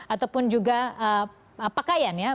ataupun juga pakaian ya